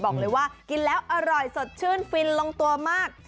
บอกเลยว่ากินแล้วอร่อยสดชื่นฟินลงตัวมาก